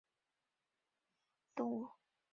厚足荡镖水蚤为镖水蚤科荡镖水蚤属的动物。